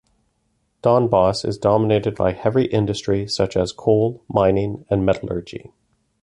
Donbass is dominated by heavy industry, such as coal mining and metallurgy.